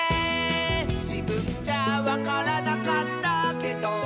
「じぶんじゃわからなかったけど」